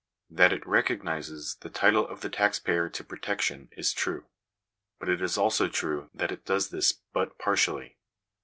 That it recognises the title of the tax payer to protection is true ; but it is also true that it does this but partially.